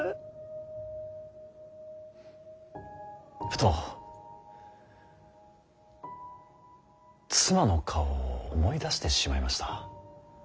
ふと妻の顔を思い出してしまいました。